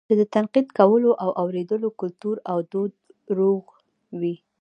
چې د تنقيد کولو او اورېدلو کلتور او دود روغ وي